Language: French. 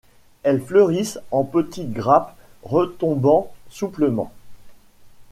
Elles fleurissent en petites grappes retombant souplement.